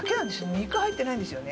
肉入ってないんですよね。